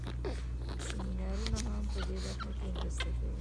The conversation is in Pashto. سمینارونه هم په دې برخه کې مرسته کوي.